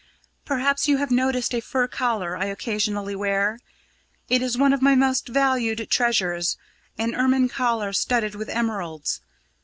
"Perhaps you have noticed a fur collar I occasionally wear. It is one of my most valued treasures an ermine collar studded with emeralds.